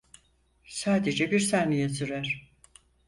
Sadece bir saniye sürer.